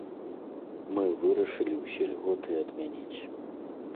Мы вырашылі ўсе льготы адмяніць.